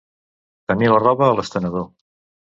Tenir la roba a l'estenedor.